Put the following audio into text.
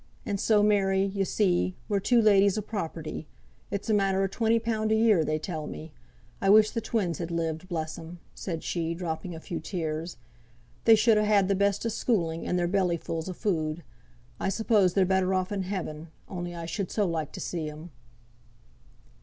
And so, Mary, yo see, we're two ladies o' property. It's a matter o' twenty pound a year they tell me. I wish the twins had lived, bless 'em," said she, dropping a few tears. "They should ha' had the best o' schooling, and their belly fulls o' food. I suppose they're better off in heaven, only I should so like to see 'em."